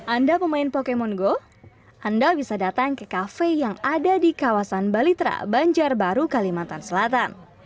anda pemain pokemon go anda bisa datang ke kafe yang ada di kawasan balitra banjarbaru kalimantan selatan